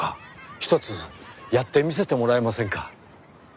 ひとつやってみせてもらえませんか？